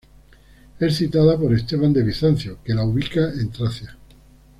Es citada por Esteban de Bizancio, que la ubica en Tracia.